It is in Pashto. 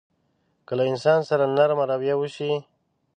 که له انسان سره نرمه رويه وشي.